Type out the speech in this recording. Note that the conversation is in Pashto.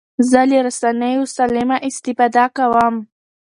زه له رسنیو سالمه استفاده کوم.